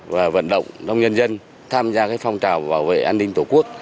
và vận động trong nhân dân tham gia phong trào bảo vệ an ninh tổ quốc